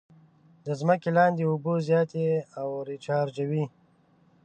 د ځمکې لاندې اوبه زیاتې او ریچارجوي.